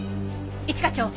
一課長。